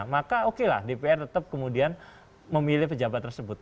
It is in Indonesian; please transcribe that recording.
maka oke lah dpr tetap kemudian memilih pejabat tersebut